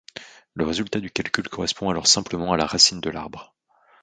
Le résultat du calcul correspond alors simplement à la racine de l'arbre.